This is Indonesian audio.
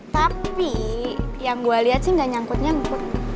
tapi yang gue liat sih gak nyangkut nyangkut